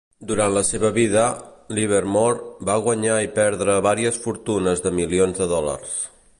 Durant la seva vida, Livermore va guanyar i perdre vàries fortunes de milions de dòlars.